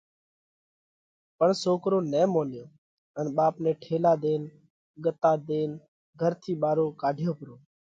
پڻ سوڪرو نہ مونيو ان ٻاپ نئہ ٺيلا ۮينَ، ڳتا ۮينَ گھر ٿِي ٻارو ڪاڍيو پرو۔